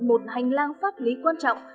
một hành lang pháp lý quan trọng